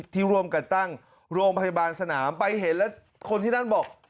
ที่ร่วมกันตั้งโรงพยาบาลสนามไปเห็นแล้วคนที่นั่นบอก